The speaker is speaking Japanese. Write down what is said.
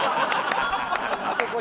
あそこに？